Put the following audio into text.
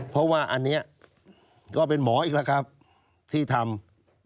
เพราะว่าอันนี้ก็เป็นหมออีกแล้วครับที่ทำ